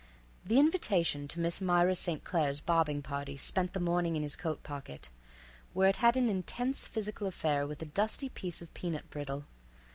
The invitation to Miss Myra St. Claire's bobbing party spent the morning in his coat pocket, where it had an intense physical affair with a dusty piece of peanut brittle.